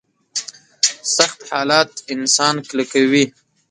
سخت حالات انسان کلکوي.